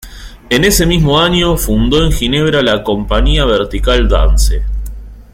Ese mismo año fundó en Ginebra la Compañía Vertical Danse.